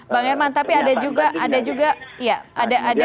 bang herman tapi ada juga ada juga ya ada